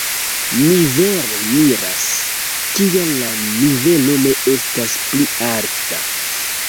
Mi vere miras, kial la nivelo ne estas pli alta.